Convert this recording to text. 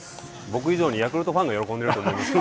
僕異常に、ヤクルトファンが喜んでいると思います。